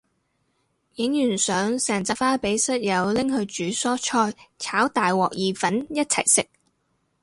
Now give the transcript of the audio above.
影完相成紮花俾室友拎去煮蔬菜炒大鑊意粉一齊食